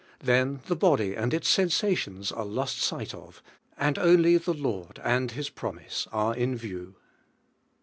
Then (he body and its sensations are lost sight of, and only the Lord and His promise are in view.